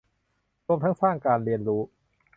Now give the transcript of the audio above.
รวมทั้งสร้างการเรียนรู้